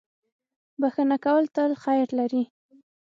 • بښنه کول تل خیر لري.